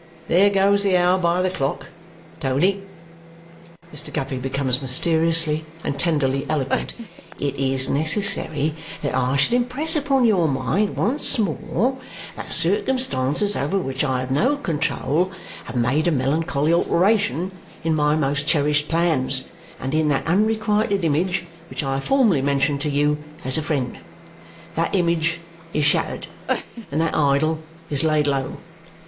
There goes the hour by the clock! Tony" Mr. Guppy becomes mysteriously and tenderly eloquent "it is necessary that I should impress upon your mind once more that circumstances over which I have no control have made a melancholy alteration in my most cherished plans and in that unrequited image which I formerly mentioned to you as a friend. That image is shattered, and that idol is laid low.